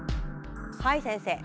はい先生。